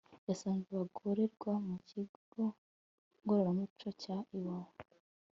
yasanze abagororerwa mu kigo ngororamuco cya iwawa